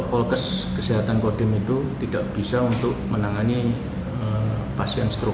polkes kesehatan kodim itu tidak bisa untuk menangani pasien struk